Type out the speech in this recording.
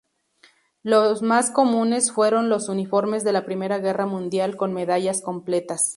Los más comunes fueron los uniformes de la Primera Guerra Mundial con medallas completas.